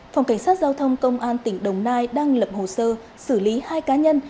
phòng cảnh sát giao thông công an tỉnh đồng nai đang lập hồ sơ xử lý hai cá nhân